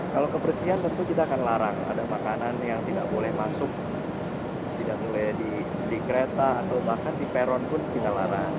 kalau kebersihan tentu kita akan larang ada makanan yang tidak boleh masuk tidak boleh di kereta atau bahkan di peron pun kita larang